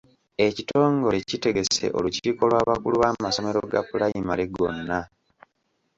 Ekitongole kitegese olukiiko lw'abakulu b'amasomero ga pulayimale gonna.